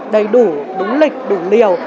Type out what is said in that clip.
đầy đủ đúng lịch đủ liều